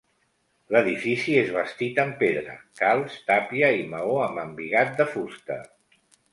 L'edifici és bastit amb pedra, calç, tàpia i maó amb embigat de fusta.